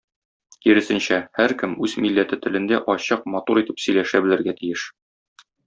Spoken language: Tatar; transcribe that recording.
Киресенчә, һәркем үз милләте телендә ачык, матур итеп сөйләшә белергә тиеш.